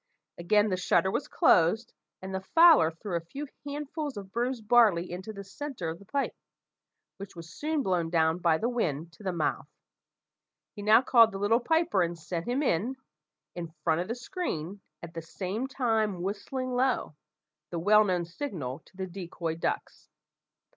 Again the shutter was closed, and the fowler threw a few handfuls of bruised barley into the centre of the pipe, which was soon blown down by the wind to the mouth. He now called the little piper, and sent him in, in front of the screen, at the same time whistling low the well known signal to the decoy ducks.